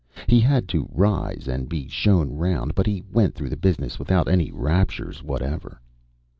He had to rise and be shown round, but he went through the business without any raptures whatever.